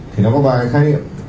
thì nó có bài khai điện